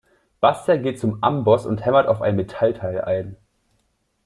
Bastian geht zum Amboss und hämmert auf ein Metallteil ein.